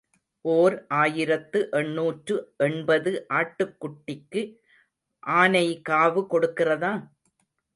ஓர் ஆயிரத்து எண்ணூற்று எண்பது ஆட்டுக்குட்டிக்கு ஆனை காவு கொடுக்கிறதா?